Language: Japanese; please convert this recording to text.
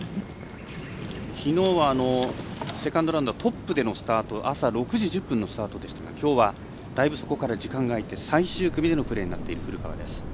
きのうはセカンドラウンドトップでのスタートあさ６時１０分のスタートでしたがだいぶそこから時間が空いて最終組でのプレーとなっている古川。